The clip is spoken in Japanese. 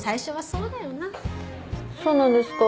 そうなんですか？